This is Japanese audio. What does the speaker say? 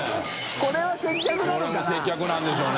これも接客なんでしょうね。